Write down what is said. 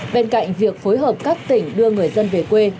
bên cạnh việc phối hợp các tỉnh đưa người dân về quê